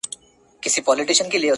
یو ډاکټر له لیری راغی د ده خواله.!